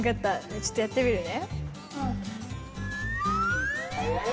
ちょっとやってみるね。